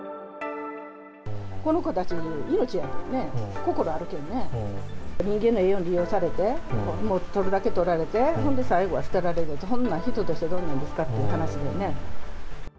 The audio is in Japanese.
この子たち、命だからね、心あるけんね、人間のいいように利用されて、取るだけ取られて、ほんで最後は捨てられるって、そんな、人としてどうなんですかっていう話ですよね。